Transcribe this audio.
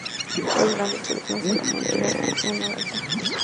Dos grandes columnas salomónicas flanquean el altar.